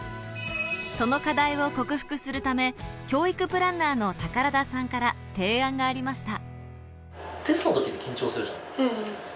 その課題を克服するため教育プランナーの宝田さんから提案がありました。